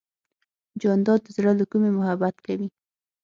جانداد د زړه له کومې محبت کوي.